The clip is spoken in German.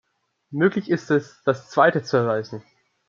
Möglich ist es, das Zweite zu erreichen.